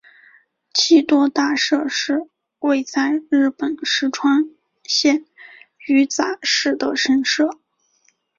气多大社是位在日本石川县羽咋市的神社。